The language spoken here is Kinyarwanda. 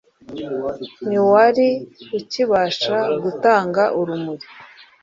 ntiwari ukibasha gutanga urumuri;